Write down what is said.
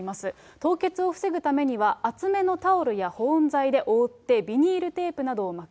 凍結を防ぐためには、厚めのタオルや保温材で覆ってビニールテープなどを巻く。